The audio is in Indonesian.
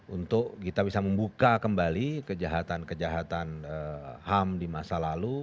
untuk kita bisa membuka kembali kejahatan kejahatan ham di masa lalu